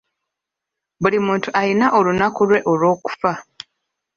Buli muntu alina olunaku lwe olw'okufa.